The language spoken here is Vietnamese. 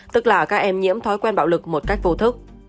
tức là các em nhiễm thói quen bạo lực một cách vô thức